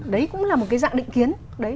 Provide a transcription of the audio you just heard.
đấy cũng là một cái dạng định kiến